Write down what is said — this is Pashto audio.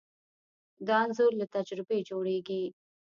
دا انځور له تجربې جوړېږي.